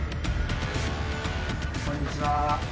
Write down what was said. こんにちは。